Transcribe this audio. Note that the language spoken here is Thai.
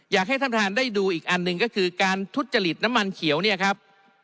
อยากให้ท่านประธานได้ดูอีกอันหนึ่งก็คือการทุจริตน้ำมันเขียวเนี่ยครับ